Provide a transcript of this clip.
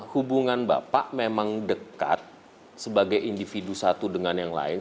hubungan bapak memang dekat sebagai individu satu dengan yang lain